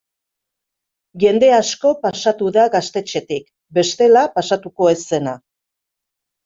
Jende asko pasatu da gaztetxetik bestela pasatuko ez zena.